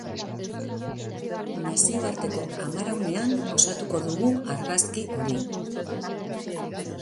Nazioarteko amaraunean osatuko dugu argazki hori.